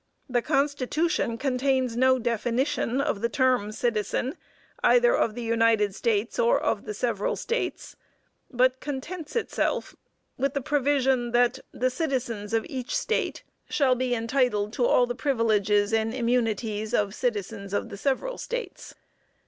The Constitution contains no definition of the term "citizen," either of the United States, or of the several States, but contents itself with the provision that "the citizens of each State shall be entitled to all the privileges and immunities of citizens of the several States."